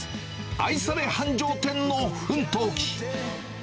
愛され繁盛店の奮闘記。